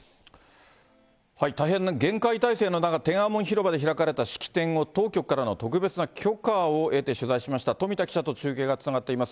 大変な厳戒態勢の中、天安門広場で開かれた式典を、当局からの特別な許可を得て取材しました富田記者と中継がつながっています。